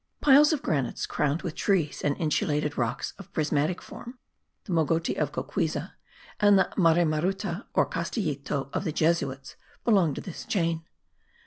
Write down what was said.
Piles of granite crowned with trees and insulated rocks of prismatic form (the Mogote of Cocuyza and the Marimaruta or Castillito of the Jesuits) belong to this chain.